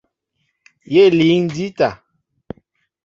Yé líŋ jíta.